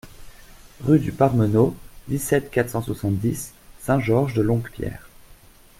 Rue du Parmeneau, dix-sept, quatre cent soixante-dix Saint-Georges-de-Longuepierre